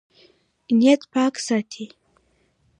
نیت پاک ساتئ